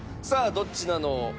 こっちなの？